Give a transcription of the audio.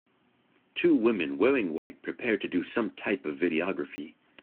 two women wearing white prepare to do some type of videography.